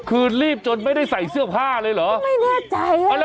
คือรีบจนไม่ได้ใส่เสื้อผ้าเลยเหรอ